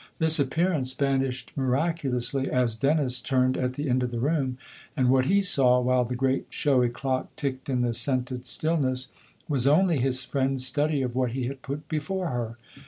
This appearance vanished miraculously as Dennis turned at the end of the room, and what he saw, while the great showy clock ticked in the scented still ness, was only his friend's study of what he had put before her.